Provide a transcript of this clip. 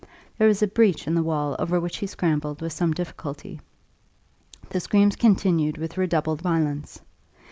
There was a breach in the wall over which he scrambled with some difficulty. The screams continued with redoubled violence.